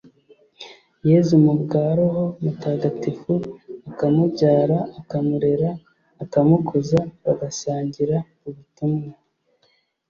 yezu ku bwa roho mutagatifu, akamubyara, akamurera, akamukuza, bagasangira ubutumwa